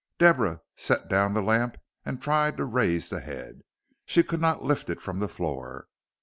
Deborah set down the lamp and tried to raise the head. She could not lift it from the floor.